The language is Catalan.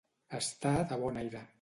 Estar de bon aire.